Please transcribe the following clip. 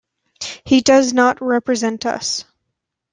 He does not represent us.